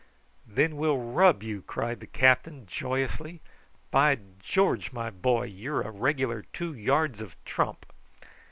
"Then we'll rub you," cried the captain joyously. "By George, my boy, you're a regular two yards of trump."